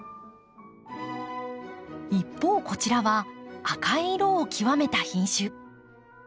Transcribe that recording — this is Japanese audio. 一方こちらは赤い色をきわめた品種。